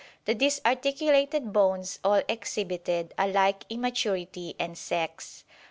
The disarticulated bones all exhibited a like immaturity and sex.